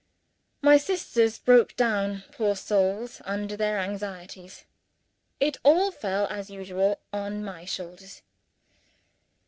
My sisters broke down, poor souls, under their anxieties. It all fell as usual on my shoulders.